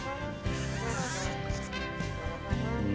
うん。